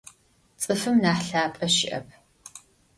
Ts'ıfım nah lhap'e şı'ep.